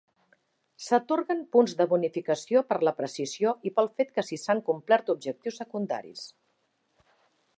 S'atorguen punts de bonificació per la precisió i pel fet de si s'han complert objectius secundaris.